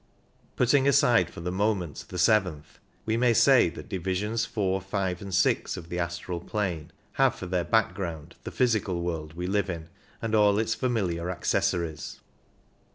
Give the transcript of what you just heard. Putting aside for the moment the seventh, we may say that divisions 4, 5 and 6 of the astral plane have for their background the physical world we live in and all its familiar accessories.